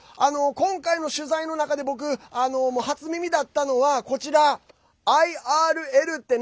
今回の取材の中で僕初耳だったのはこちら、ＩＲＬってね。